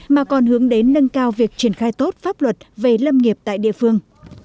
mà còn hướng đến nâng cao việc triển khai tốt pháp luật về lâm nghiệp tại địa phương